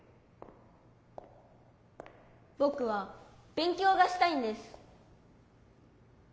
ぼくはべん強がしたいんです。